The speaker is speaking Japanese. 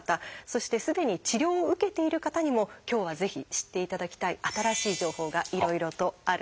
そしてすでに治療を受けている方にも今日はぜひ知っていただきたい新しい情報がいろいろとあるんです。